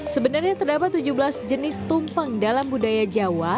sebenarnya terdapat tujuh belas jenis tumpeng dalam budaya jawa